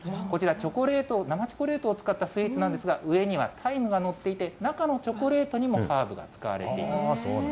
こちら、チョコレート、生チョコレートを使ったスイーツなんですが、上にはタイムが載っていて、中のチョコレートにもハーブが使われています。